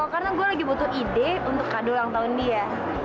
karena gue lagi butuh ide untuk kado ulang tahun dia